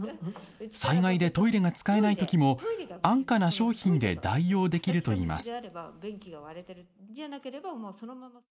災害でトイレが使えないときも安価な商品で代用できるといいます。